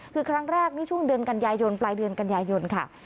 คือครั้งแรกนี่ช่วงเดือนกันยายนปลายเดือนกันยายนค่ะ